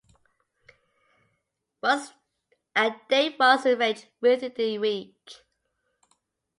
A date was arranged within the week.